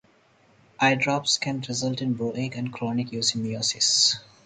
Eye drops can result in brow ache and chronic use in miosis.